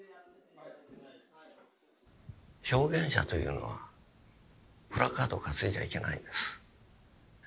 表現者というのはプラカードを担いじゃいけないんです。